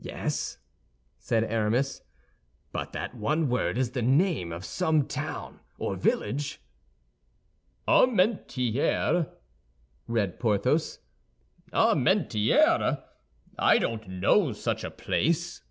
"Yes," said Aramis, "but that one word is the name of some town or village." "Armentières," read Porthos; "Armentières? I don't know such a place."